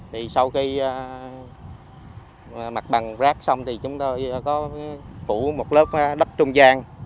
thì sau khi mặt bằng rác xong thì chúng tôi có phủ một lớp đất trung gian